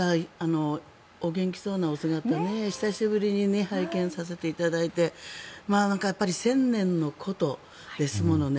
お元気そうなお姿久しぶりに拝見させていただいて１０００年の古都ですもんね。